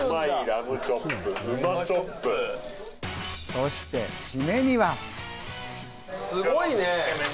そしてシメには。